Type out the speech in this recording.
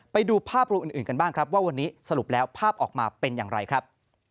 ไปดูภาพรวมอื่นกันบ้างครับว่าวันนี้สรุปแล้วภาพออกมาเป็นอย่างไรครับ